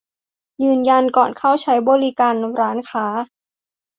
ยืนยันก่อนเข้าใช้บริการร้านค้า